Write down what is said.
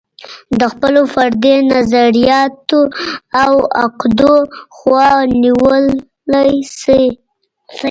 د خپلو فردي نظریاتو او عقدو خوا نیولی شي.